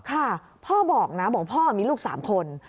ค่ะพ่อบอกนะบอกพ่อมีลูก๓คน